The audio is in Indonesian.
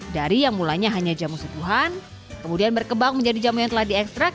dari yang mulanya hanya jamu sebuahan kemudian berkebang menjadi jamu yang telah diekstrak